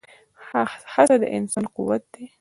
هڅه د انسان قوت دی.